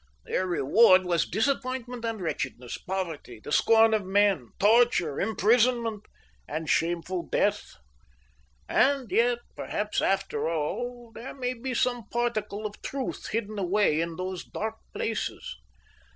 Their reward was disappointment and wretchedness, poverty, the scorn of men, torture, imprisonment, and shameful death. And yet, perhaps after all, there may be some particle of truth hidden away in these dark places."